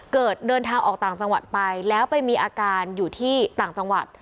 เดินทางออกต่างจังหวัดไปแล้วไปมีอาการอยู่ที่ต่างจังหวัด